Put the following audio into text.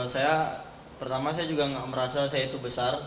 saya pertama saya juga nggak merasa saya itu besar